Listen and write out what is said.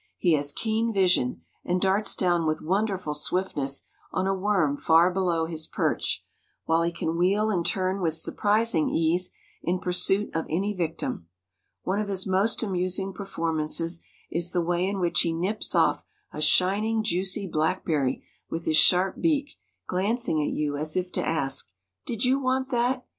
He has keen vision, and darts down with wonderful swiftness on a worm far below his perch, while he can wheel and turn with surprising ease in pursuit of any victim. One of his most amusing performances is the way in which he nips off a shining, juicy blackberry with his sharp beak, glancing at you as if to ask, "Did you want that?